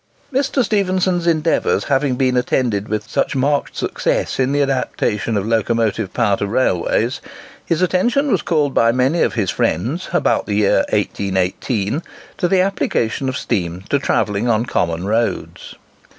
Mr. Stephenson's endeavours having been attended with such marked success in the adaptation of locomotive power to railways, his attention was called by many of his friends, about the year 1818, to the application of steam to travelling on common roads.